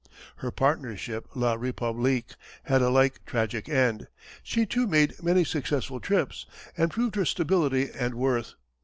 Her partner ship La République had a like tragic end. She too made many successful trips, and proved her stability and worth.